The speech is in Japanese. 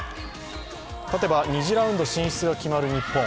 勝てば２次ラウンド進出が決まる日本。